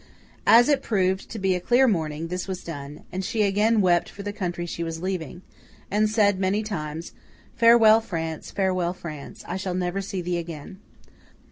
As it proved to be a clear morning, this was done, and she again wept for the country she was leaving, and said many times, 'Farewell, France! Farewell, France! I shall never see thee again!